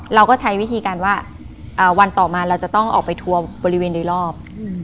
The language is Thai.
เราก็ใช้วิธีการว่าวันต่อมาเราจะต้องออกไปทัวร์บริเวณโดยรอบ